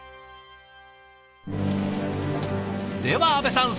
では阿部さん